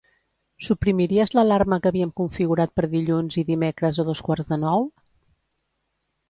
Suprimiries l'alarma que havíem configurat per dilluns i dimecres a dos quarts de nou?